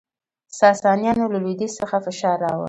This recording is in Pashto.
ساسانیانو له لویدیځ څخه فشار راوړ